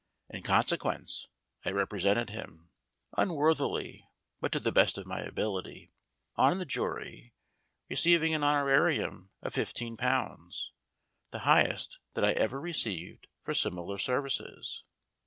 In consequence I represented him (unworthily, but to the best of my ability) on the jury, receiving an honorarium of fif teen pounds the highest that I ever received for simi lar services."